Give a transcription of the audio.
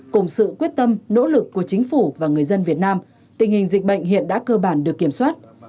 cùng sự quyết tâm nỗ lực của chính phủ và người dân việt nam tình hình dịch bệnh hiện đã cơ bản được kiểm soát